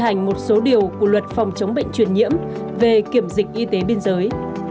điều này là một trong những điều đáng chú ý của luật phòng chống bệnh truyền nhiễm về kiểm dịch y tế biên giới